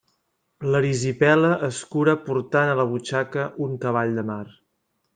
L'erisipela es cura portant a la butxaca un cavall de mar.